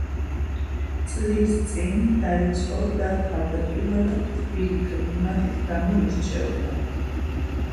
წლის წინ დაიწყო და თავდაპირველად თბილი კლიმატით გამოირჩეოდა.